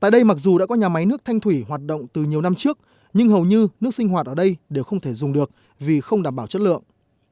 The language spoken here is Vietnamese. tại đây mặc dù đã có nhà máy nước thanh thủy hoạt động từ nhiều năm trước nhưng hầu như nước sinh hoạt ở đây đều không thể dùng được vì không đảm bảo chất lượng